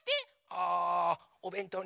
「あおべんとう！